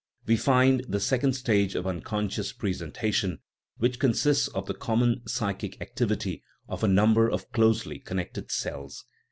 we find the second stage of unconscious presentation, which consists of the common psychic ac tivity of a number of closely connected cells.